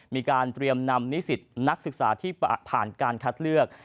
มีการเตรียมนำนิสิตนักศึกษาที่ผ่านการคัดเลือก